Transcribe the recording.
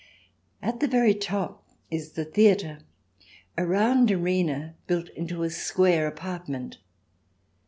At the very top is the theatre, a round arena built into a square apartment.